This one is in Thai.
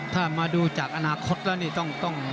ถ้ามาดูจากอนาคตเรานี่ต้องต้อง